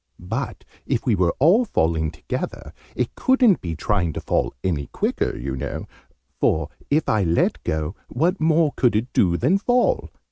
But, if we were all falling together, it couldn't be trying to fall any quicker, you know: for, if I let go, what more could it do than fall?